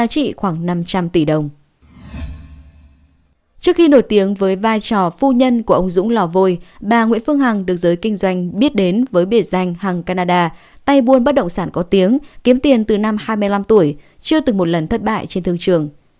trước khi nổi tiếng với vai trò phu nhân của ông dũng lò vôi bà nguyễn phương hằng được giới kinh doanh biết đến với biệt danh hàng canada tay buôn bất động sản có tiếng kiếm tiền từ năm hai mươi năm tuổi chưa từng một lần thất bại trên thương trường